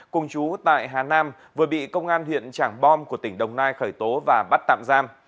cùng chú tại hà nam vừa bị công an huyện trảng bom của tỉnh đồng nai khởi tố và bắt tạm giam